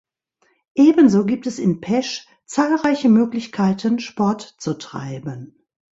Ebenso gibt es in Pesch zahlreiche Möglichkeiten, Sport zu treiben.